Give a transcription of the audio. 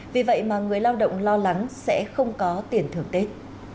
vì vậy mà người lao động lo lắng sẽ không có tiền thưởng tết